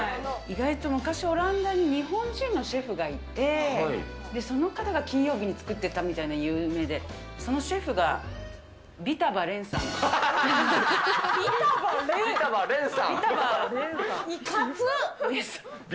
意外と昔、オランダに日本人のシェフがいて、その方が金曜日に作ってたみたいな、有名で、そのシェフが、尾太馬蓮？尾太馬蓮さん。